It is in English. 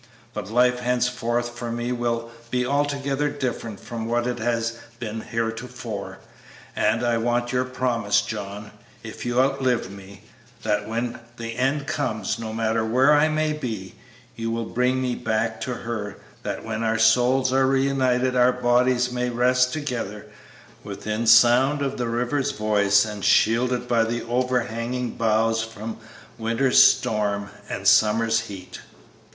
But life henceforth for me will be altogether different from what it has been heretofore; and I want your promise, John, if you outlive me, that when the end comes, no matter where I may be, you will bring me back to her, that when our souls are reunited our bodies may rest together here, within sound of the river's voice and shielded by the overhanging boughs from winter's storm and summer's heat."